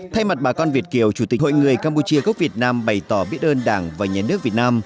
thay mặt bà con việt kiều chủ tịch hội người campuchia gốc việt nam bày tỏ biết ơn đảng và nhà nước việt nam